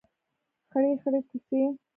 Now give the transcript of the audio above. خړې خړۍ کوڅې